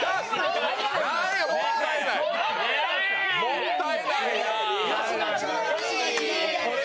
もったないなあ。